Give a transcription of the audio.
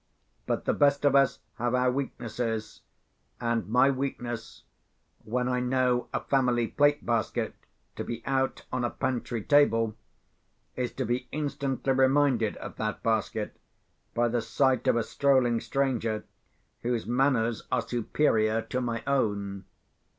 But the best of us have our weaknesses—and my weakness, when I know a family plate basket to be out on a pantry table, is to be instantly reminded of that basket by the sight of a strolling stranger whose manners are superior to my own.